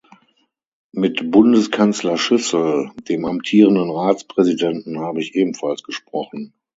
Mit Bundeskanzler Schüssel, dem amtierenden Ratspräsidenten, habe ich ebenfalls gesprochen.